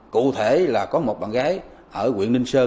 cụ thể là có một bạn gái ở ninh sơn tỉnh ninh thuận